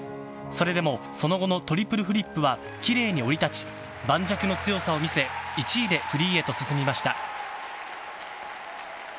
それでもその後のトリプルフリップはきれいに降り立ち、盤石の強さを見せ、１位でフリーへと進みました。